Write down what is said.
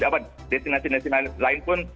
apa destinasi destinasi lain pun